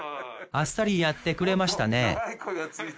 あっさりやってくれましたね